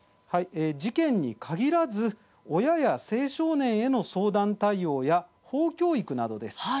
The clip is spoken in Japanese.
事件に限らず親や青少年への相談対応や法教育などです。